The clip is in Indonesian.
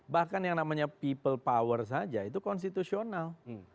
bahkan yang namanya people power saja itu konstitusional